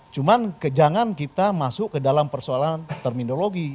cuman jangan kita masuk ke dalam persoalan terminologi